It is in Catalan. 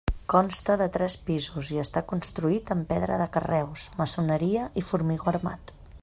Consta de tres pisos i està construït amb pedra de carreus, maçoneria i formigó armat.